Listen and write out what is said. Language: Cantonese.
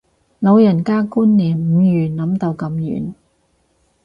老人家觀念唔預諗到咁遠